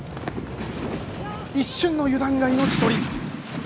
一瞬の油断が命取り。